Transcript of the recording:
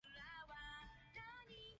超級細菌對抗生素有抗藥性